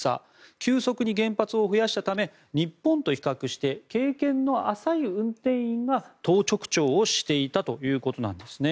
急速に原発を増やしたため日本と比較して経験の浅い運転員が当直長をしていたということなんですね。